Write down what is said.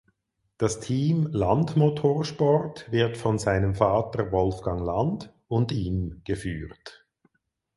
Das Team Land Motorsport wird von seinem Vater Wolfgang Land und ihm geführt.